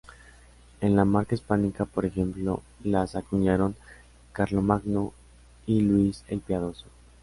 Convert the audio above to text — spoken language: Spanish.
En la Marca Hispánica, por ejemplo, las acuñaron Carlomagno y Luis el Piadoso.